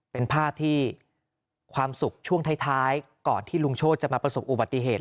เป็นภาพที่ความสุขช่วงท้ายก่อนที่ลุงโชธจะมาประสบอุบัติเหตุ